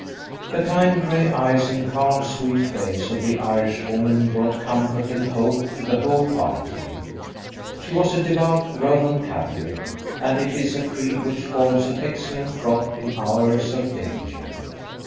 The kind grey eyes and calm sweet face of the Irishwoman brought comfort and hope to the whole party. She was a devout Roman Catholic, and it is a creed which forms an excellent prop in hours of danger.